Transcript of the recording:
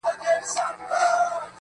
د گلو كر نه دى چي څوك يې پــټ كړي.